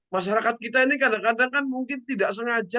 masyarakat kita ini kadang kadang kan mungkin tidak sengaja